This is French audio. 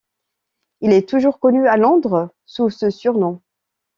Il est toujours connu à Londres sous ce surnom.